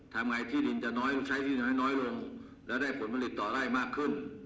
ทำไงที่ดินจะน้อยใช้ที่น้อยลงแล้วได้ผลผลิตต่อไร่มากขึ้น